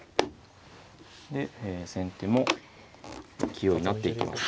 で先手も勢い成っていきます。